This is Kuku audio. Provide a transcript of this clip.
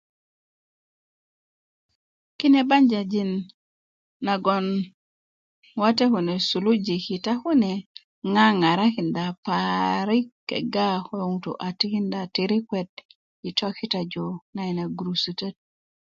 kine banjajin nagon wate une kodo suluji kita kune ŋaŋarkinda parik kega ko ŋutu a tikinda tirikuet i tokitaju na ina gurusutöt